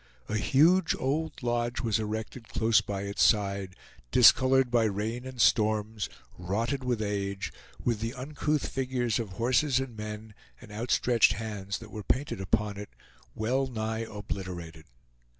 A huge old lodge was erected close by its side, discolored by rain and storms, rotted with age, with the uncouth figures of horses and men, and outstretched hands that were painted upon it, well nigh obliterated.